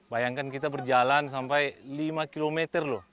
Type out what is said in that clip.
bayangkan kita berjalan sampai lima km loh